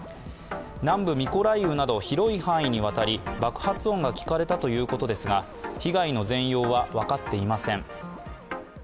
南部ミコライウなど広い範囲にわたり爆発音が聞かれたということですが被害の全容は分かっていません。